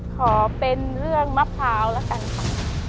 ขอเป็นเรื่องมะพร้าวแล้วกันค่ะ